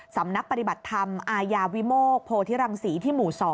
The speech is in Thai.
สำนักปฏิบัติธรรมอายาวิโมกโพธิรังศรีที่หมู่๒